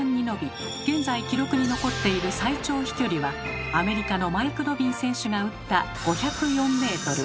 現在記録に残っている最長飛距離はアメリカのマイク・ドビン選手が打った５０４ｍ。